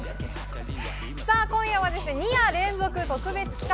今夜は２夜連続特別企画。